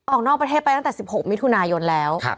ออกนอกประเทศไปตั้งแต่๑๖มิถุนายนแล้ว